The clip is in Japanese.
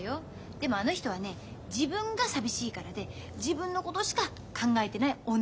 でもあの人はね自分が寂しいからで自分のことしか考えてない女なのよ。